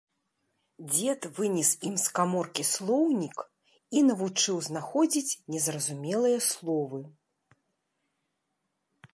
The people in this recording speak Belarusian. Дзед вынес ім з каморкі слоўнік і навучыў знаходзіць незразумелыя словы.